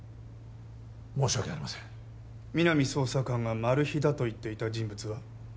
申し訳ありません皆実捜査官がマル被だと言っていた人物は？